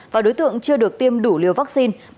và đối tượng chưa được tiêm đủ liều vaccine